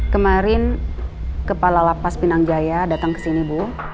kemarin kepala lapas pinang jaya datang kesini bu